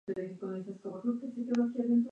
Se transportan vegetales en varios barcos